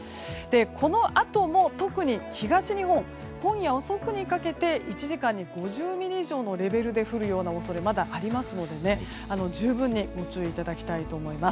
このあとも特に東日本、今夜遅くにかけて１時間に５０ミリ以上のレベルで降るような恐れがまだありますので十分にご注意いただきたいと思います。